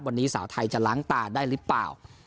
วันนี้สาวไทยจะล้างตาได้หรือเปล่า